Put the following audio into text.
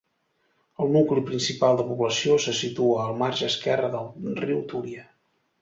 El nucli principal de població se situa al marge esquerre del riu Túria.